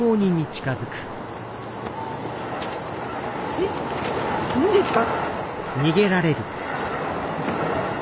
えっ何ですか？